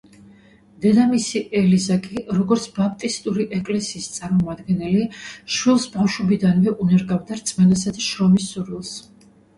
დედამისი ელიზა კი, როგორც ბაპტისტური ეკლესიის წარმომადგენელი, შვილს ბავშვობიდანვე უნერგავდა რწმენასა და შრომის სურვილს.